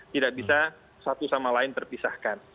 tidak bisa satu sama lain terpisahkan